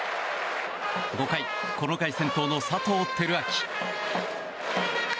５回、この回先頭の佐藤輝明。